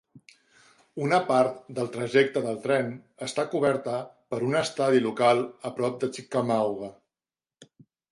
Una part del trajecte del tren està coberta per un estadi local a prop de Chickamauga.